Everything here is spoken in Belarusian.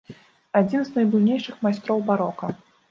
Адзін з найбуйнейшых майстроў барока.